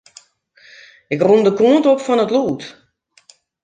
Ik rûn de kant op fan it lûd.